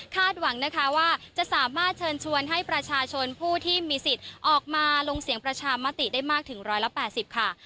หวังนะคะว่าจะสามารถเชิญชวนให้ประชาชนผู้ที่มีสิทธิ์ออกมาลงเสียงประชามติได้มากถึง๑๘๐ค่ะ